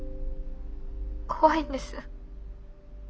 怖いんです。